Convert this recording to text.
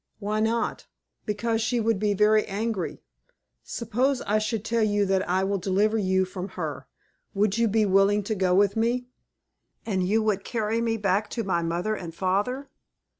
"Why not?" "Because she would be very angry." "Suppose I should tell you that I would deliver you from her. Would you be willing to go with me?" "And you would carry me back to my mother and father?"